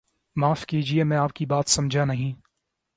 معاف کیجئے میں آپ کی بات سمجھانہیں